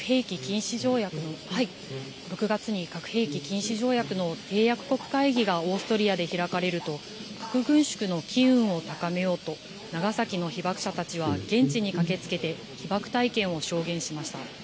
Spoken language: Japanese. ６月に核兵器禁止条約の締約国会議がオーストリアで開かれると、核軍縮の機運を高めようと、長崎の被爆者たちは現地に駆けつけて、被爆体験を証言しました。